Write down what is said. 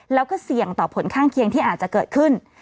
แล้วก็เสี่ยงต่อผลข้างเคียงที่อาจจะเกิดขึ้น